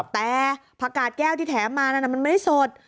แต่ผักกาดแก้วที่แถมมานั่นมันไม่ได้สด